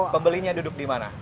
pembelinya duduk di mana